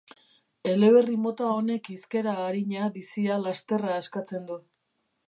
Eleberri mota honek hizkera arina, bizia, lasterra eskatzen du.